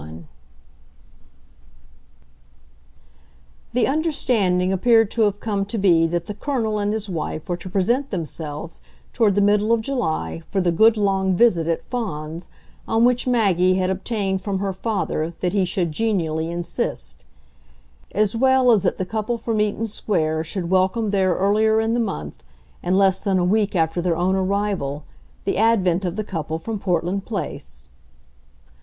XXXI The understanding appeared to have come to be that the Colonel and his wife were to present themselves toward the middle of July for the "good long visit" at Fawns on which Maggie had obtained from her father that he should genially insist; as well as that the couple from Eaton Square should welcome there earlier in the month, and less than a week after their own arrival, the advent of the couple from Portland Place.